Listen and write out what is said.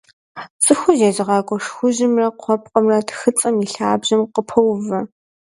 Цӏыхур зезыгъакӏуэ шхужьымрэ куэпкъымрэ тхыцӏэм и лъабжьэм къыпоувэ.